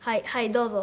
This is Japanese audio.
どうぞ！